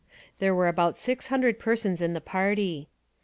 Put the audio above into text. There were about six hundred persons in the party.